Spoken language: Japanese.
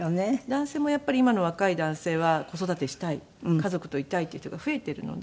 男性もやっぱり今の若い男性は子育てしたい家族といたいっていう人が増えているので。